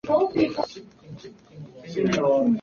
Se encuentra sobre todo en las plantas de la familia "Apiaceae".